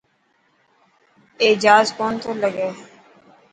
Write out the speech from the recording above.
اي جهاز ڪو نٿو لگي.